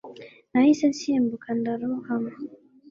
Nahise nsimbuka ndarohama